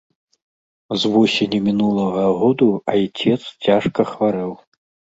З восені мінулага году айцец цяжка хварэў.